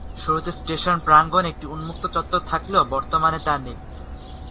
শুরুতে স্টেশন প্রাঙ্গনে একটি উন্মুক্ত চত্বর থাকলেও বর্তমানে তা নেই।